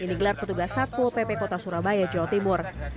yang digelar petugas satpol pp kota surabaya jawa timur